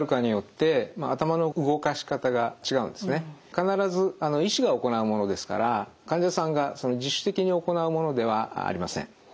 必ず医師が行うものですから患者さんが自主的に行うものではありません。